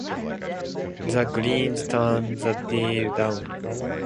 The Greens turned the deal down.